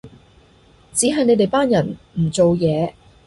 只係你哋班人唔做嘢